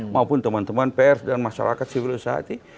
maupun teman teman pr dan masyarakat civil usaha hati